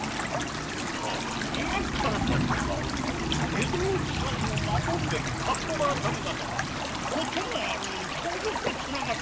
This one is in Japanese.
江戸の治安を守るべき「火盗改方」がこともあろうに盗賊とつながっているとは！